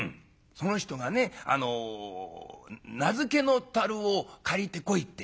「その人がねあの菜漬けの樽を借りてこいって」。